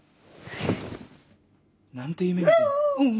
何て夢見てん。